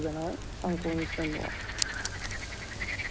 参考にしてんのは。